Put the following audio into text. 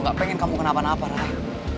gak pengen kamu kenapa napa rahim